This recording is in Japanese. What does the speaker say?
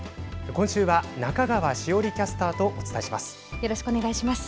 今週は、中川栞キャスターとお伝えします。